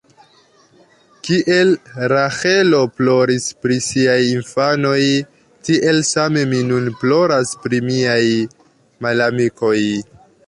Kiel Raĥelo ploris pri siaj infanoj, tiel same mi nun ploras pri miaj malamikoj.